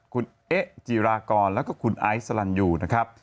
คุณเอ๊ะจีรากรแล้วก็คุณไอซ์สลันยูนะครับ